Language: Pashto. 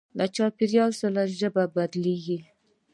له چاپېریال سره ژبه بدلېږي.